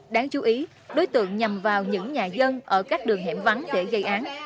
đáng chú ý đối tượng nhằm vào những nhà dân ở các đường hẻm vắng để gây án